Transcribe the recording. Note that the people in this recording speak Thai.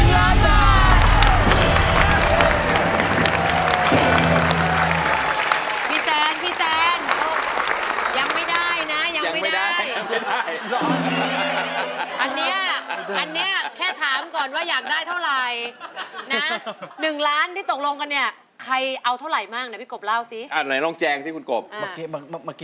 ๑ล้านบาท